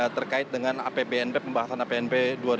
terkait dengan apbnp pembahasan apbnp dua ribu enam belas